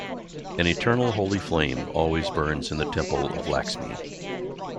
An eternal holy flame always burns in the temple of Laxmi.